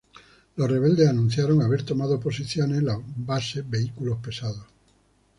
Los rebeldes anunciaron haber tomado posiciones en la base vehículos pesados.